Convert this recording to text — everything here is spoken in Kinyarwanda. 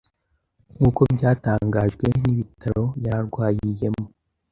nkuko byatangajwe n'ibitaro yari arwayiyemo